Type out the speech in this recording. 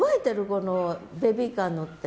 このベビーカー乗って。